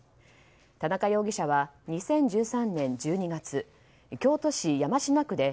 田中容疑者は２０１３年１２月京都市山科区で